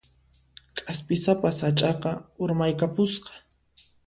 K'aspisapa sach'aqa urmaykapusqa.